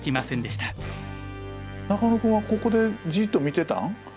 中野君はここでじっと見てたん？